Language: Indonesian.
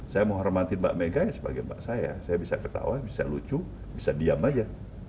saya menghormati mbak mega sebagai mbak saya saya bisa ketawa bisa lucu bisa diam aja